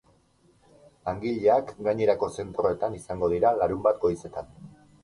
Langileak gainerako zentroetan izango dira larunbat goizetan.